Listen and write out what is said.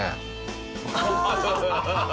ハハハハハ！